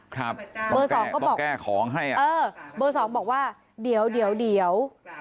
ครับเบอร์สองก็บอกแก้ของให้อ่ะเออเบอร์สองบอกว่าเดี๋ยวเดี๋ยว